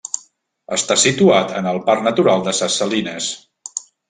Està situat en el parc natural de ses Salines.